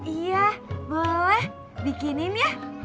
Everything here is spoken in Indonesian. iya boleh bikinin ya